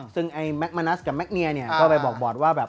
ซึ่งแมคมะนัสกับแมคเนียก็ไปบอกบอร์ดว่าแบบ